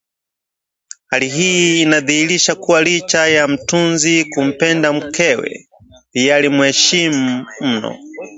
Hali hii inadhihirisha kuwa licha ya mtunzi kumpenda mkewe pia alimheshimu mno